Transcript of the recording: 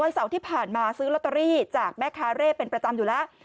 เสาร์ที่ผ่านมาซื้อลอตเตอรี่จากแม่ค้าเร่เป็นประจำอยู่แล้ว